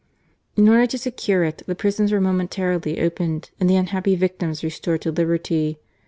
In order to secure it, the prisons were momentarily opened, and the unhappy victims restored to liberty.